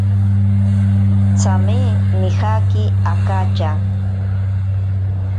Tsame nijaki akatya.